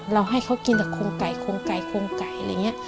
ให้เขากินแต่โครงไก่คงไก่โครงไก่อะไรอย่างนี้